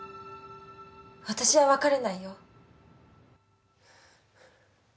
私は別れないよ。